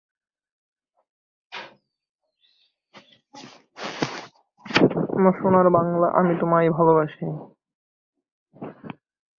এই গেটের তিনটি অংশ।